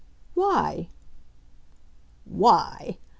"Why?" "Why!"